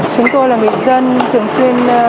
chúng tôi là người dân thường xuyên